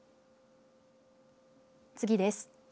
次です。